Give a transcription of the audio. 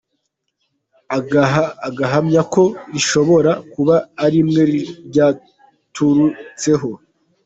Agahamya ko rishobora kuba ariwe ryaturutseho.